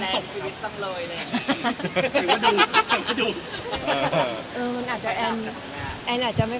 อย่างหลักสุดนี้ครับทำไมต้องรุนแรงขนาดนั้นไหน